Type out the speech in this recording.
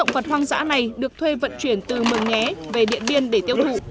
văn giả này được thuê vận chuyển từ mường nhé về điện biên để tiêu thụ